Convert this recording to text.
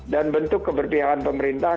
dan bentuk keberpihalan pemerintah